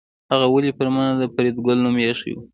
هغه ولې پر ما د فریدګل نوم ایښی و